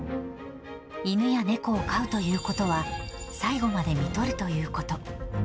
犬や猫を飼うということは、最期までみとるということ。